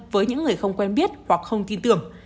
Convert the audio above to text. với những người không quen biết hoặc không tin tưởng